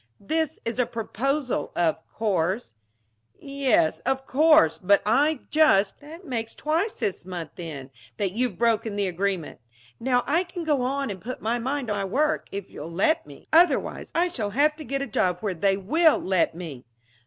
This is a proposal of course " "Yes, of course, but I've just " "That makes twice this month, then, that you've broken the agreement. Now I can go on and put my mind on my work, if you'll let me. Otherwise, I shall have to get a job where they will let me."